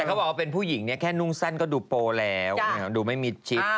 เขาบอกว่าเป็นผู้หญิงเนี่ยแค่นุ่งสั้นก็ดูโปรแล้วดูไม่มิดชิด